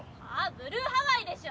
ブルーハワイでしょ！